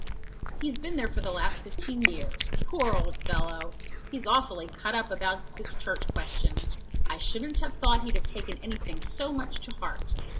"He's been there for the last fifteen years. Poor old fellow! He's awfully cut up about this Church Question. I shouldn't have thought he'd have taken anything so much to heart.